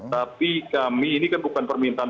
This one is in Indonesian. tapi kami ini kan bukan permintaan